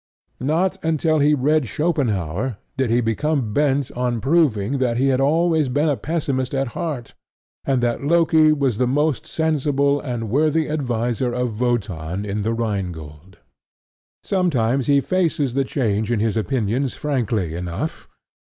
Not until he read Schopenhaur did he become bent on proving that he had always been a Pessimist at heart, and that Loki was the most sensible and worthy adviser of Wotan in The Rhine Gold. Sometimes he faces the change in his opinions frankly enough.